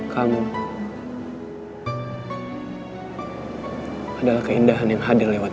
kamu adalah keindahan yang harus kuingkari